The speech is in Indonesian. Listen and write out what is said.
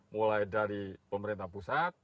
mulai dari pemerintah pusat